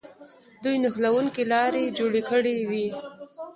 دوی نښلوونکې لارې جوړې کړې وې.